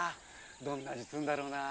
どんな味するんだろうな。